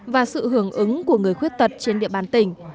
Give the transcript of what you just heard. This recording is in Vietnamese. và sự hưởng ứng của người khuyết tật trên địa bàn tỉnh